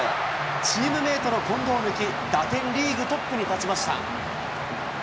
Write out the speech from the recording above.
チームメートの近藤を抜き、打点リーグトップに立ちました。